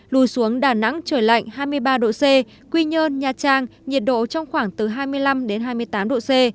lùi xuống đà nẵng trời lạnh hai mươi ba độ c quy nhơn nha trang nhiệt độ trong khoảng từ hai mươi năm đến hai mươi tám độ c